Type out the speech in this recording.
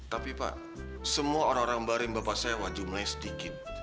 tapi pak semua orang orang baring bapak sewa jumlahnya sedikit